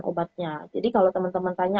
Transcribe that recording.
obatnya jadi kalau temen temen tanya